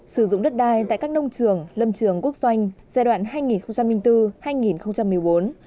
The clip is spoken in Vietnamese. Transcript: sử dụng đất đai tại các nông trường lâm trường quốc doanh giai đoạn hai nghìn bốn hai nghìn một mươi bốn